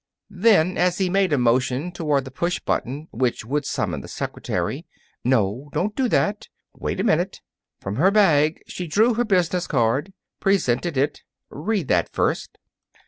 Then, as he made a motion toward the push button, which would summon the secretary: "No, don't do that! Wait a minute!" From her bag she drew her business card, presented it. "Read that first."